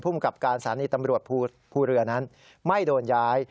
กับการสถานีตำรวจภูทรภูเรือนั้นไม่โดนย้าย